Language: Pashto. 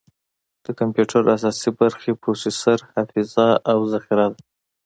د کمپیوټر اساسي برخې پروسیسر، حافظه، او ذخیره ده.